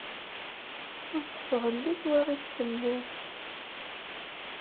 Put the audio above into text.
Ur d-tɣelli twaɣit fell-ak.